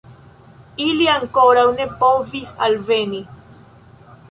Ili ankoraŭ ne povis alveni.